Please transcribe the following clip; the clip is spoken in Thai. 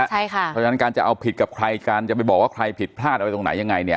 เพราะฉะนั้นการจะเอาผิดกับใครการจะไปบอกว่าใครผิดพลาดอะไรตรงไหนยังไงเนี่ย